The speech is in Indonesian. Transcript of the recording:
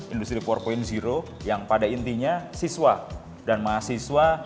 industri empat yang pada intinya siswa dan mahasiswa